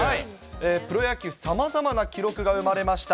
プロ野球、さまざまな記録が生まれました。